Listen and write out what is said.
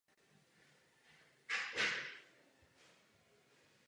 Podle řeky se jmenuje obec Mana.